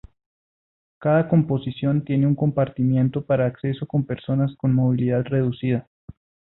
Cada composición tienen una compartimento para el acceso con personas con movilidad reducida.